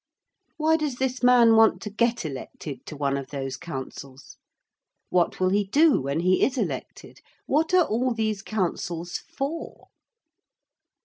Why does this man want to get elected to one of those Councils? What will he do when he is elected? What are all these Councils for?